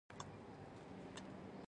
آیا د لارې څخه د تیږې لرې کول ثواب نه دی؟